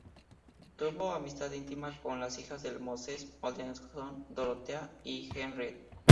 Tuvo amistad íntima con las hijas de Moses Mendelssohn, Dorotea y Henriette.